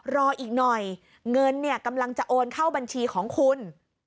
รออีกหน่อยเงินเนี่ยกำลังจะโอนเข้าบัญชีของคุณ